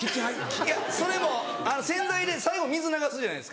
いやそれも洗剤で最後水流すじゃないですか。